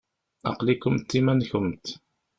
Aql-ikent iman-nkent.